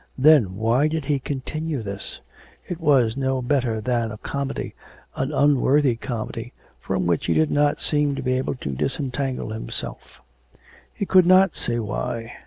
Then, why did he continue this, it was no better than a comedy, an unworthy comedy, from which he did not seem to be able to disentangle himself; he could not say why.